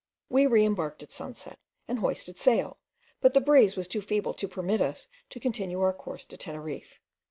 We re embarked at sunset, and hoisted sail, but the breeze was too feeble to permit us to continue our course to Teneriffe.